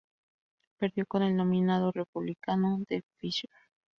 Perdió con el nominado republicano Deb Fischer.